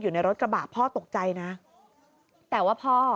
อยู่ในรถกระบะพ่อตกใจนะแต่ว่าพ่อ